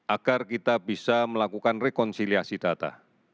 agar kita bisa melakukan rekonsiliasi data